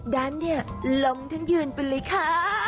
ดันเนี่ยล้มทั้งยืนไปเลยค่ะ